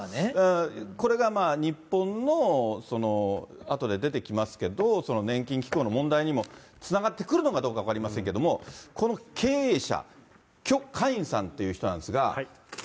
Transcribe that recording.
これがまあ、日本の、あとで出てきますけど、その年金機構の問題にもつながってくるのかどうか分かりませんけれども、この経営者、許家印さんっていう人なんですが。